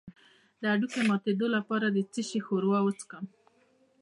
د هډوکو د ماتیدو لپاره د څه شي ښوروا وڅښم؟